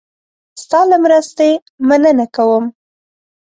ستا له مرستې مننه کوم.